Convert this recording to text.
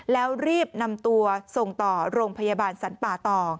แล้วรีบนำตัวส่งต่อโรงพยาบาลสรรป่าต่อ